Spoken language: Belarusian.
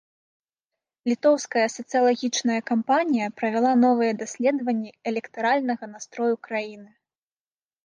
Літоўская сацыялагічная кампанія правяла новыя даследаванні электаральнага настрою краіны.